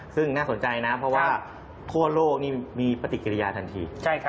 ซึ่งน่าสนใจนะเพราะว่าทั่วโลกนี่มีปฏิกิริยาทันที